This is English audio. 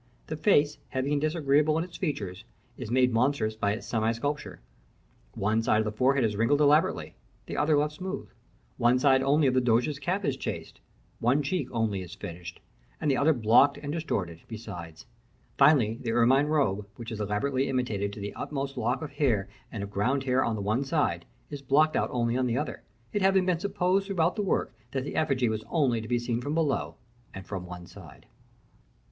The face, heavy and disagreeable in its features, is made monstrous by its semi sculpture. One side of the forehead is wrinkled elaborately, the other left smooth; one side only of the doge's cap is chased; one cheek only is finished, and the other blocked out and distorted besides; finally, the ermine robe, which is elaborately imitated to its utmost lock of hair and of ground hair on the one side, is blocked out only on the other: it having been supposed throughout the work that the effigy was only to be seen from below, and from one side.